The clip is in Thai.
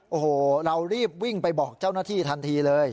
โอ้โหเรารีบวิ่งไปบอกเจ้าหน้าที่ทันทีเลย